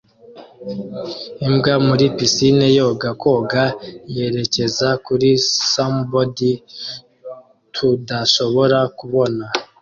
Imbwa muri pisine yoga koga yerekeza kuri sombody tudashobora kubona